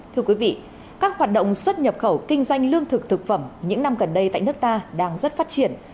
thưa quý vị các hoạt động xuất nhập khẩu kinh doanh lương thực thực phẩm những năm gần đây tại nước ta đang rất phát triển